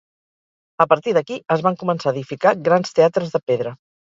A partir d'aquí, es van començar a edificar grans teatres de pedra.